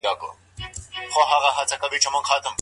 په غوسه کي پرېکړه کول کوم زيانونه لري؟